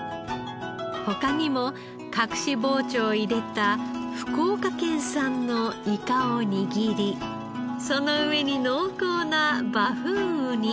他にも隠し包丁を入れた福岡県産のイカを握りその上に濃厚なバフンウニ。